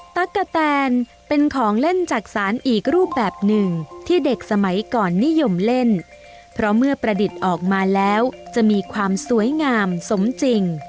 ตะกะแตนเป็นของเล่นจักษานอีกรูปแบบหนึ่งที่เด็กสมัยก่อนนิยมเล่นเพราะเมื่อประดิษฐ์ออกมาแล้วจะมีความสวยงามสมจริง